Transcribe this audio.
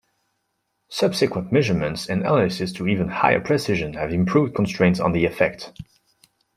Subsequent measurements and analysis to even higher precision have improved constraints on the effect.